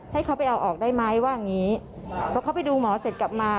ให้เขาไปเอาออกได้ไหมว่าอย่างงี้เพราะเขาไปดูหมอเสร็จกลับมา